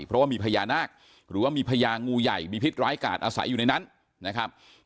เพราะว่ามีพญานาคหรือว่ามีพญางูใหญ่มีพิษร้ายกาดอาศัยอยู่ในนั้นนะครับ